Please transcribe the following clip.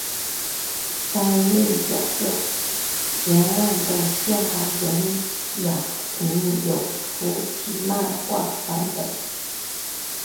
担任角色原案的夏元雅人有出其漫画版本。